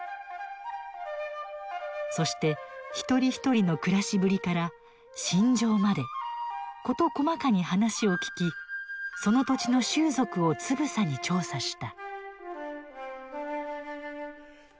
そして一人一人のくらしぶりから信条まで事細かに話を聞きその土地の習俗をつぶさに調査した。